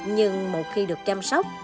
nhưng một khi được chăm sóc